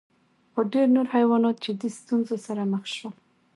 خو ډېر نور حیوانات جدي ستونزو سره مخ شول.